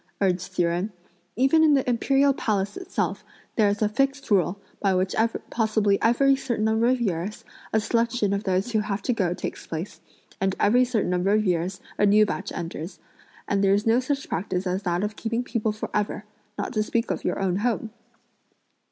urged Hsi Jen; "even in the imperial palace itself, there's a fixed rule, by which possibly every certain number of years a selection (of those who have to go takes place), and every certain number of years a new batch enters; and there's no such practice as that of keeping people for ever; not to speak of your own home."